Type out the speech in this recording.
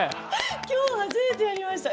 今日初めてやりました。